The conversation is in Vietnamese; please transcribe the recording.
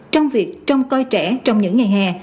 trong việc trông coi trẻ trong những ngày hè